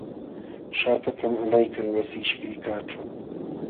Shaqtatam qalaykan wasi qishpiykaqćhu.